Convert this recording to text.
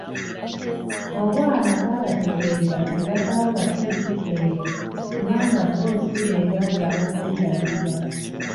Obwana bwabategeeza ne basalawo batte ezzike eryo kubanga bo si beebaali ab’okulirabirira.